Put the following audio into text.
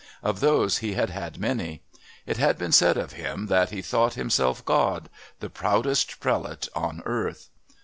Of those he had had many. It had been said of him that "he thought himself God the proudest prelate on earth."